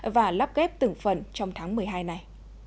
và lắp ghép từng phần trong tháng một mươi hai này